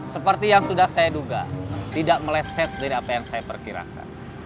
seperti yang sudah saya duga tidak meleset dari apa yang saya perkirakan